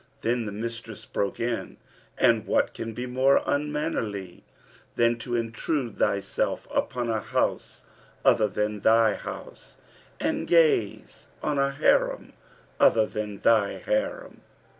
Then the mistress broke in, 'And what can be more unmannerly than to intrude thyself upon a house other than thy house and gaze on a Harim other than thy Harim?'